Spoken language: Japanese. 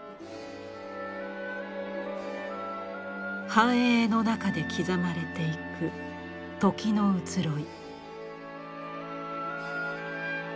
繁栄の中で刻まれていく「時」の移ろい。